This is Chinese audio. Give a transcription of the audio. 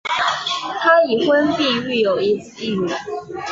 他已婚并育有一子一女。